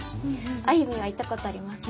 あゆみんは行ったことありますか？